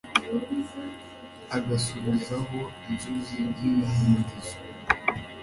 agasubizaho inzugi n'ibihindizo